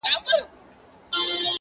د مکار دښمن په کور کي به غوغا سي،